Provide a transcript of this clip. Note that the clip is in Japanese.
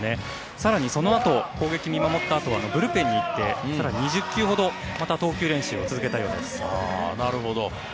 更にそのあと攻撃を見守ったあとはブルペンに行って更に２０球ほど投球練習を続けたようです。